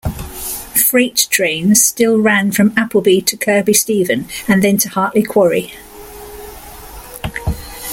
Freight trains still ran from Appleby to Kirkby Stephen and then to Hartley Quarry.